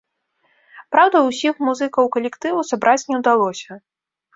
Праўда, усіх музыкаў калектыву сабраць не ўдалося.